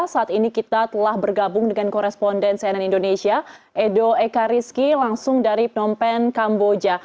saat ini kita telah bergabung dengan koresponden cnn indonesia edo ekariski langsung dari phnom penh kamboja